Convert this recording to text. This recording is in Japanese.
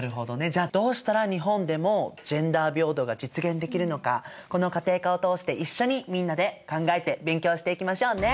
じゃあどうしたら日本でもジェンダー平等が実現できるのかこの家庭科を通して一緒にみんなで考えて勉強していきましょうね。